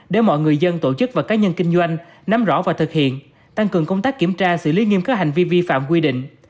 để mọi người dân tổ chức và cá nhân kinh doanh nắm rõ và thực hiện tăng cường công tác kiểm tra xử lý nghiêm các hành vi vi phạm quy định